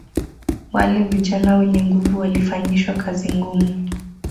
Wale vijana wenye nguvu walifanyishwa kazi ngumu